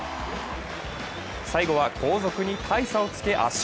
最後は後続に大差をつけ圧勝。